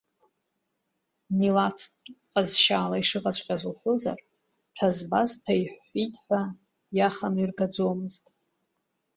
Милаҭтә ҟазшьала ишыҟаҵәҟьаз уҳәозар, ҭәа-збаз ҭәа иҳәҳәеит ҳәа иаханы иргаӡомызт.